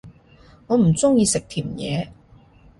我唔鍾意食甜野